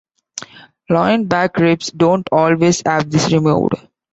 Loin back ribs don't always have this removed.